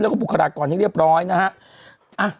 แล้วก็บุคลากรที่เรียบร้อยนะครับ